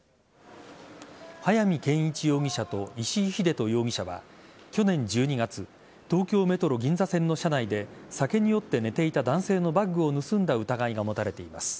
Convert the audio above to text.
早見賢一容疑者と石井英人容疑者は去年１２月東京メトロ銀座線の車内で酒に酔って寝ていた男性のバッグを盗んだ疑いが持たれています。